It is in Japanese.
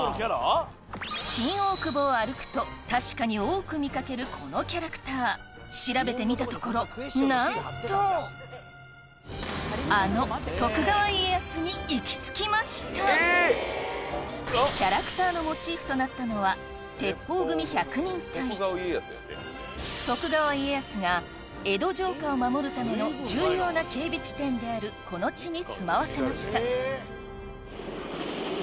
新大久保を歩くとこのキャラクター調べてみたところなんとあの徳川家康に行きつきましたキャラクターのモチーフとなったのは徳川家康が江戸城下を守るための重要な警備地点であるこの地に住まわせました